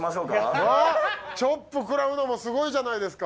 チョップ食らうのもすごいじゃないですか。